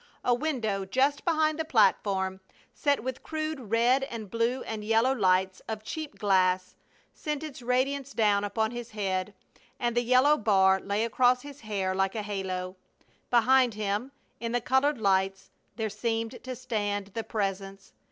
A window just behind the platform, set with crude red and blue and yellow lights of cheap glass, sent its radiance down, upon his head, and the yellow bar lay across his hair like a halo; behind him, in the colored lights, there seemed to stand the Presence.